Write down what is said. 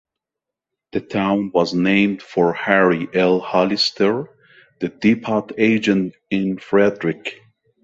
The town was named for Harry L. Hollister, the depot agent in Frederick.